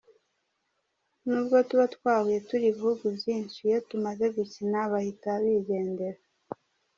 Nubwo tuba twahuye turi ibihugu byinshi iyo tumaze gukina bahita bigendera .